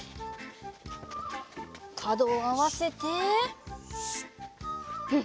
かどをあわせてうん。